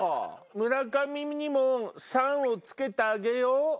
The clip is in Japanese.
村上にも「さん」を付けてあげよう？